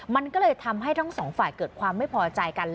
มันก็เลยทำให้ทั้งสองฝ่ายเกิดความไม่พอใจกัน